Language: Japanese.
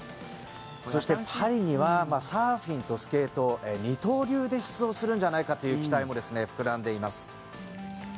そして、パリにはサーフィンとスケート二刀流で出場するんじゃないかという期待も膨らんでいます。